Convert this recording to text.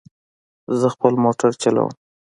زه خپل موټر چلوم